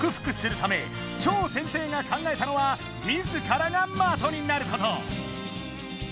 ため超先生が考えたのは自らがまとになること。